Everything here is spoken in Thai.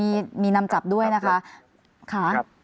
ค่ะมีนำจับด้วยนะครับ